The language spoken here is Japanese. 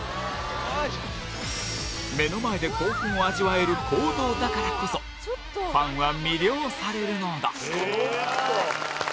目の前で興奮を味わえる公道だからこそファンは魅了されるのだ。